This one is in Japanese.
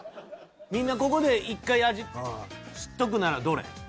みんなここで１回味知っとくならどれ？